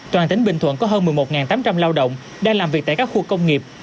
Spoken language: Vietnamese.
toàn tỉnh bình thuận có hơn một mươi một tám trăm linh lao động đang làm việc tại các khu công nghiệp